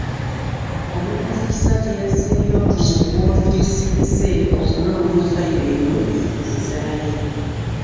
Omulamuzi Kisakye yazzeeyo mu woofiisi ze okunoonya fayiro erimu ensala ye